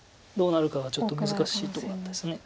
どうなるかがちょっと難しいところだったです。